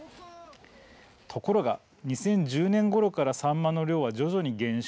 ところが２０１０年ごろからサンマの量は徐々に減少。